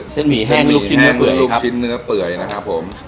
เส้นหมี่แห้งลูกชิ้นเนื้อเปื่อยครับ